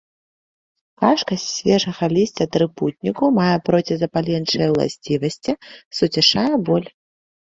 Кашка з свежага лісця трыпутніку мае процізапаленчыя ўласцівасці, суцішае боль.